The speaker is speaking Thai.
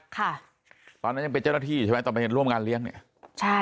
ตอนนั้นยังเป็นเจ้าหน้าที่ใช่ไหมตอนไปร่วมงานเลี้ยงเนี่ยใช่